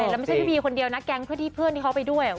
แล้วไม่ใช่พี่บีคนเดียวนะแก๊งเพื่อนที่เพื่อนที่เขาไปด้วย